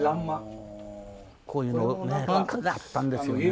こういうのをね買ったんですよね。